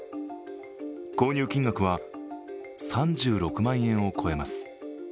購入金額は３６万円を超えます。